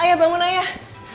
ayah bangun ayah